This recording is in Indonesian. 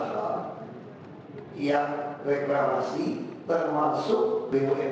hasil pengawasan bawah empat